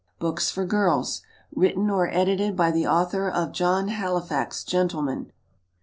Books for Girls. Written or Edited by the Author of "John Halifax, Gentleman."